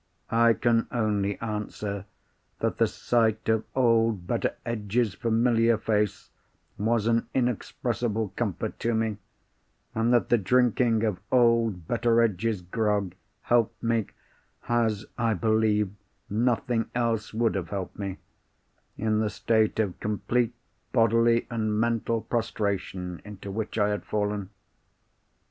I can only answer that the sight of old Betteredge's familiar face was an inexpressible comfort to me, and that the drinking of old Betteredge's grog helped me, as I believe nothing else would have helped me, in the state of complete bodily and mental prostration into which I had fallen.